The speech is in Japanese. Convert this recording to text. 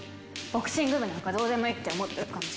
ボクシング部なんかどうでもいいって思ってる感じ。